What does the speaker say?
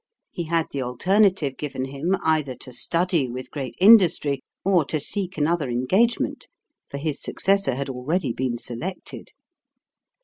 He had the alternative given him either to study with great industry or to seek another engagement, for his successor had already been selected.